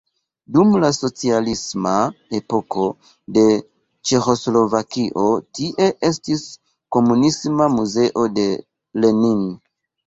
Dum la socialisma epoko de Ĉeĥoslovakio tie estis komunisma muzeo de Lenin.